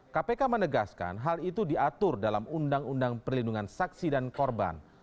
kpk menegaskan hal itu diatur dalam undang undang perlindungan saksi dan korban